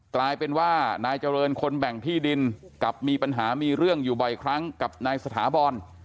กลายเป็นว่านายเจริญคนแบ่งที่ดินกลับมีปัญหามีเรื่องอยู่บ่อยครั้งกับนายสถาบอล